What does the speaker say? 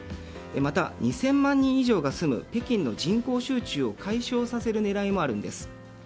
また、２０００万人以上が住む北京の人口集中を解消させる狙いもあるんです。